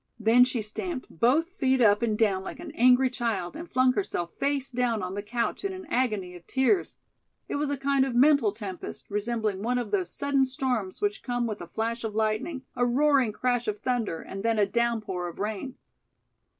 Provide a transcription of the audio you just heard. Then she stamped both feet up and down like an angry child and flung herself face down on the couch in an agony of tears. It was a kind of mental tempest, resembling one of those sudden storms which come with a flash of lightning, a roaring crash of thunder and then a downpour of rain.